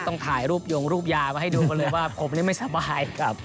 ถ่ายรูปยงรูปยามาให้ดูกันเลยว่าผมนี่ไม่สบาย